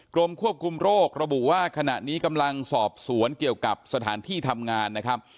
กรมควบคุมโรคระบุว่าขณะนี้กำลังสอบสวนเกี่ยวกับสถานที่ทำงานนะครับ